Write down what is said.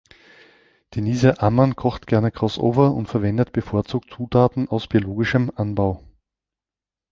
Denise Amann kocht gerne crossover und verwendet bevorzugt Zutaten aus biologischem Anbau.